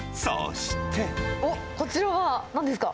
おっ、こちらはなんですか？